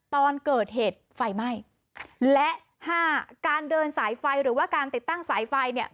ตอนเกิดเหตุไฟไหม้และห้าการเดินสายไฟหรือว่าการติดตั้งสายไฟเนี่ย